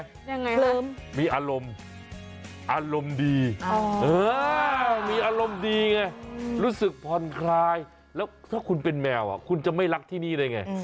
ยังไงเสริมมีอารมณ์อารมณ์ดีมีอารมณ์ดีไงรู้สึกผ่อนคลายแล้วถ้าคุณเป็นแมวคุณจะไม่รักที่นี่ได้ไง